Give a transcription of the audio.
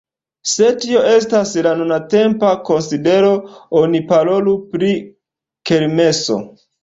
Se tio estas la nuntempa konsidero oni parolu pri kermeso.